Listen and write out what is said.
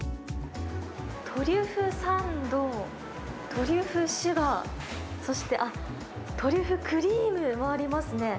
トリュフサンド、トリュフシュガー、そしてトリュフクリームもありますね。